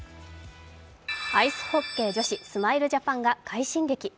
アイスホッケー女子スマイルジャパンが快進撃。